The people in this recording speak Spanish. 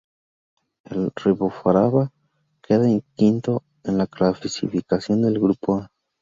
El Ribaforada queda quinto en la clasificación del "grupo A".